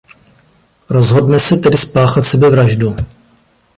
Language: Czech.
Rozhodne se tedy spáchat sebevraždu.